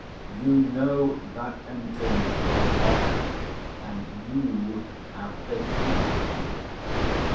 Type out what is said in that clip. "You know that entrance is locked, and you have the key."